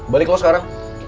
balik lo sekarang